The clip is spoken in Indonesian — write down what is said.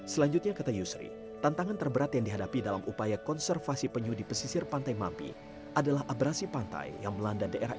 selanjutnya kata yusri tantangan terberat yang dihadapi dalam upaya konservasi penyu di pesisir pantai mampi adalah abrasi pantai yang melanda daerah